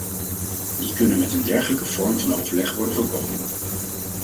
Die kunnen met een dergelijke vorm van overleg worden voorkomen.